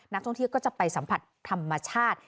นักท่องเที่ยวก็จะไปสัมผัสธรรมชาติ